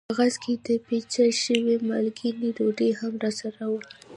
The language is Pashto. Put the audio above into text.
په کاغذ کې د پېچل شوې مالګینې ډوډۍ هم راسره وه.